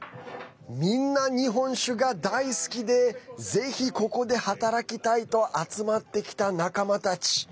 みんな日本酒が大好きでぜひ、ここで働きたいと集まってきた仲間たち。